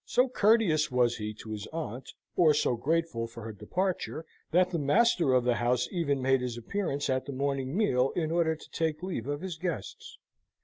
So courteous was he to his aunt, or so grateful for her departure, that the master of the house even made his appearance at the morning meal, in order to take leave of his guests.